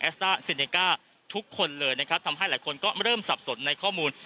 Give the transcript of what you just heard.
สต้าเซเนก้าทุกคนเลยนะครับทำให้หลายคนก็เริ่มสับสนในข้อมูล